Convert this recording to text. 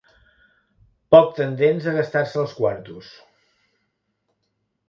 Poc tendents a gastar-se els quartos.